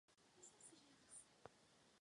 Také se změnily barvy klubu na modrou a červenou.